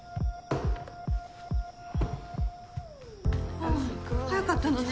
あら早かったのね。